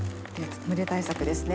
蒸れ対策ですね。